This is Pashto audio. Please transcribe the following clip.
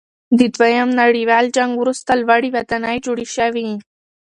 د دویم نړیوال جنګ وروسته لوړې ودانۍ جوړې شوې.